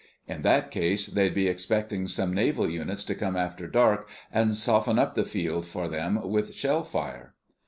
In that case they'd be expecting some naval units to come after dark and 'soften up' the field for them with shell fire."